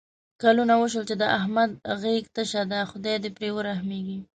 کلونه وشول چې د احمد غېږه تشه ده. خدای دې پرې ورحمېږي.